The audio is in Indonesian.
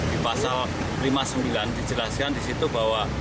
di pasal lima puluh sembilan dijelaskan di situ bahwa